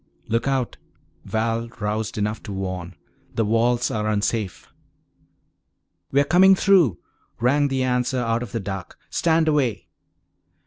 "Look out," Val roused enough to warn, "the walls are unsafe!" "We're coming through," rang the answer out of the dark. "Stand away!"